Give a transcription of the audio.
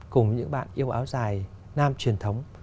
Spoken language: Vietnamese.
cùng những bạn yêu áo dài nam truyền thống